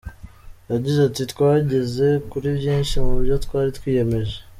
Yagize ati “Twageze kuri byinshi mu byo twari twiyemeje.